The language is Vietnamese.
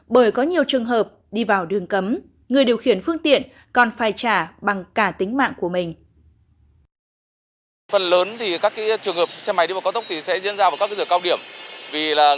bởi có nhiều trường hợp đi vào đường cấm người điều khiển phương tiện còn phải trả